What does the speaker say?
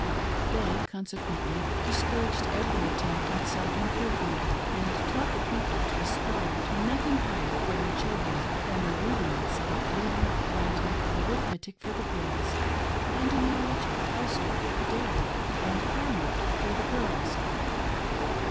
They, consequently, discouraged every attempt at self improvement, and taught the people to aspire to nothing higher for their children than the rudi ments of reading, writing, and arithmetic for the boys, and a knowledge of household, dairy, and farm work for the girls.